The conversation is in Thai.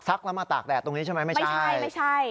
แล้วมาตากแดดตรงนี้ใช่ไหมไม่ใช่ไม่ใช่